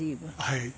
はい。